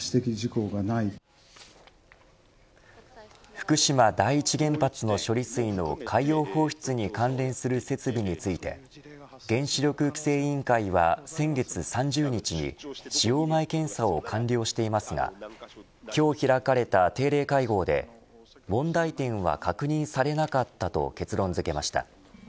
福島第一原発の処理水の海洋放出に関連する設備について原子力規制委員会は先月３０日に使用前検査を完了していますが今日開かれた定例会合で問題点は確認されなかったと結論づけました。